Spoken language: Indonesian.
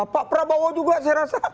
pak prabowo juga saya rasa